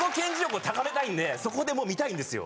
そこでもう見たいんですよ。